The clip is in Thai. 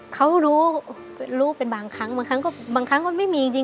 เขารู้รู้เป็นบางครั้งบางครั้งก็ไม่มีจริง